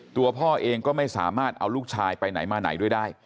ตัวพ่อเองก็ไม่สามารถเอาลูกชายไปไหนมาไหนด้วยได้